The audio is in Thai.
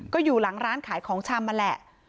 ก็อยู่หลังร้านขายของชำนั่นแหละ